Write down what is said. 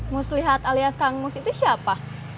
muslihat alias kang mus itu siapa